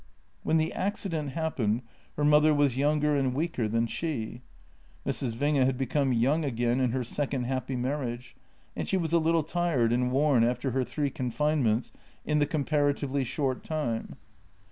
When the accident happened her mother was younger and weaker than she. Mrs. Winge had become young again in her second happy marriage, and she was a little tired and worn after her three confinements in the comparatively short time.